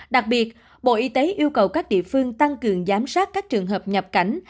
đặc biệt bộ y tế yêu cầu các địa phương tăng cường giám sát các trường hợp nhập cảnh